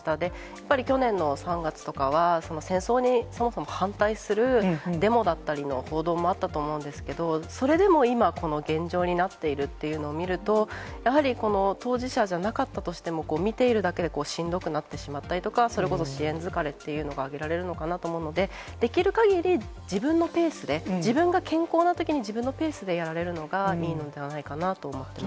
やっぱり去年の３月とかは、戦争に、そもそも反対するデモだったりの報道もあったと思うんですけど、それでも今、この現状になっているというのを見ると、やはりこの当事者じゃなかったとしても、見ているだけでしんどくなってしまったりとか、それこそ支援疲れっていうのが挙げられるかなと思うので、できるかぎり自分のペースで、自分が健康なときに、自分のペースでやられるのがいいのではないかなと思っています。